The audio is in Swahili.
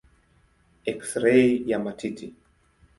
Eksirei ya matiti.